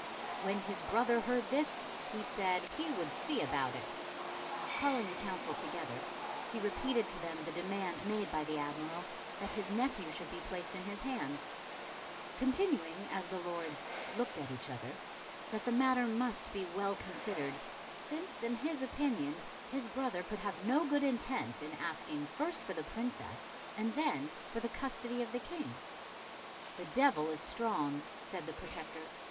"When his brother heard this, he said he would see about it." Calling the Council together, he repeated to them the demand made by the Admiral that his nephew should be placed in his hands; continuing, as the Lords "looked at each other," that the matter must be well considered, since in his opinion his brother could have no good intent in asking first for the Princess, and then for the custody of the King. "The devil is strong," said the Protector.